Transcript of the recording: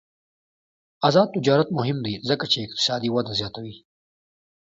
آزاد تجارت مهم دی ځکه چې اقتصادي وده زیاتوي.